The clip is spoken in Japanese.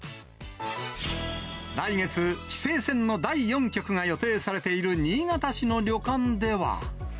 来月、棋聖戦の第４局が予定されている新潟市の旅館では。